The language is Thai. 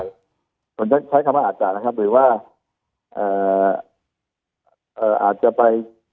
เหมือนจะใช้คำว่าอาจจะหรือว่าอาจจะไป